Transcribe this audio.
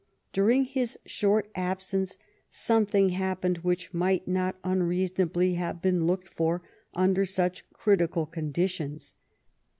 During his short ab sence something happened which might not unreason ably have been looked for under such critical condi tions.